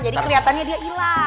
jadi kelihatannya dia hilang